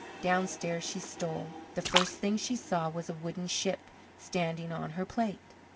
Downstairs she stole. The first thing she saw was a wooden ship standing on her plate.